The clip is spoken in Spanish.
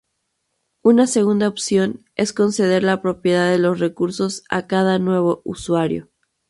Una segunda opción es conceder la propiedad de los recursos a cada nuevo usuario.